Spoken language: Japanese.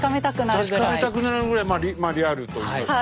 確かめたくなるぐらいリアルといいますか。